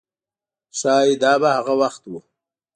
ښایي دا به هغه وخت و.